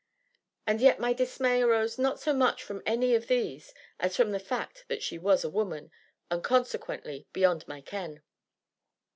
And yet my dismay arose not so much from any of these as from the fact that she was a woman, and, consequently, beyond my ken.